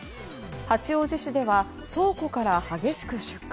八王子市では倉庫から激しく出火。